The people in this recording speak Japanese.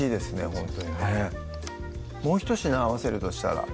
ほんとにもうひと品合わせるとしたら？